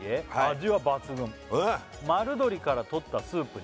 「味は抜群」「丸鶏からとったスープに」